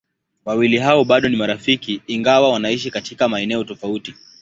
Wawili hao bado ni marafiki ingawa wanaishi katika maeneo tofauti.